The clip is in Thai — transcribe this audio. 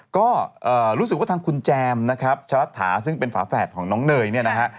ก็รู้สึกว่าทางคุณแจมนะครับชะรัฐาซึ่งเป็นฝาแฝดของน้องเนยเนี่ยนะฮะ